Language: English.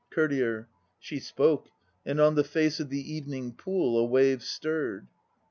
COURTIER. She spoke, and on the face of the evening pool A wave stirred.